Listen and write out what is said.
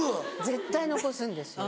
絶対残すんですよ。